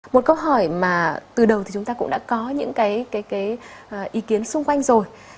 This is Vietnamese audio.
một câu hỏi mà từ đầu thì chúng ta cũng đã có những cái ý kiến xung quanh rồi